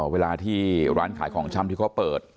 เวลาที่ร้านขายของช่ำเค้าเปิด